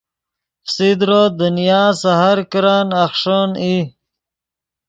فسیدرو دنیا سے ہر کرن اخݰین ای